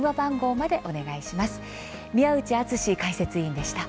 宮内篤志解説委員でした。